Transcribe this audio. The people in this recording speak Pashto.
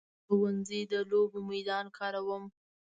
زه د ښوونځي د لوبو میدان کاروم.